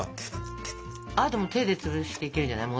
あともう手で潰していけるんじゃない。